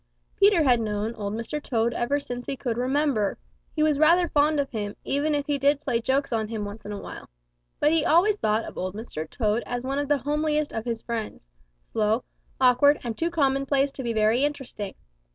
Peter had known Old Mr. Toad ever since he could remember. He was rather fond of him, even if he did play jokes on him once in a while. But he always thought of Old Mr. Toad as one of the homeliest of all his friends, slow, awkward, and too commonplace to be very interesting.